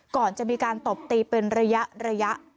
ก่อนจะมีการตบตีเป็นระยะ